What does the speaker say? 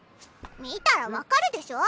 見たら分かるでしょ。